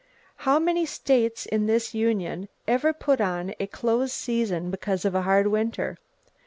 How many states in this Union ever put on a close season because of a hard winter?